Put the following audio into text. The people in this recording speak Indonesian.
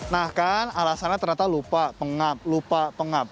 nah kan alasannya ternyata lupa pengap lupa pengap